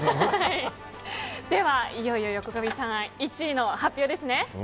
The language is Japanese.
では、いよいよ横上さん１位の発表ですね。